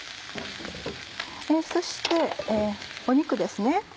そして肉ですね。